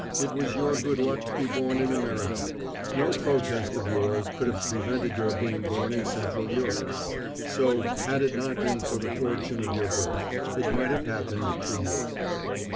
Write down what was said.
It was your good luck to be born in America. No protest of yours could have prevented your being born in Central Europe. So, had it not been for the fortune of your birth, it might have happened to you.